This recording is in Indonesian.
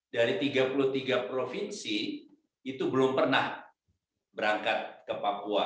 dari tiga puluh tiga provinsi itu belum pernah berangkat ke papua